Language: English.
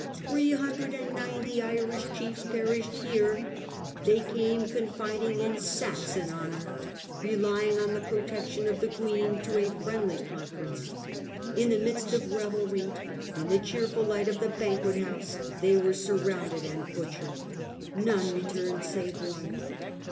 ' Three hundred and ninety Irish chiefs perished here ! They came, con fiding in Saxon honour, relying on the protection of the Queen, to a friendly conference. In the midst of revelry, in the cheerful light of the banquet house, they were surrounded and butchered. None returned save one.